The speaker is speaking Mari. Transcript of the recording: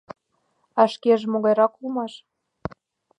— А шкеже могайрак улмаш?